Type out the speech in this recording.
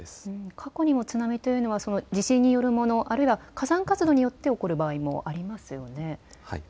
過去にも津波というのは地震によるもの、あるいは火山活動によって起こる場合もありますよね。